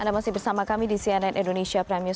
anda masih bersama kami di cnn indonesia prime news